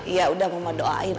ya udah mama doain